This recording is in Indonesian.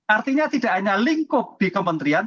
artinya tidak hanya lingkup di kementerian